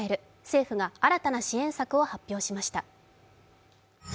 政府が新たな支援策を発表しました。